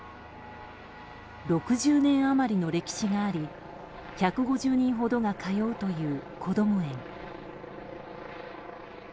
６０年余りの歴史があり１５０人ほどが通うというこども園。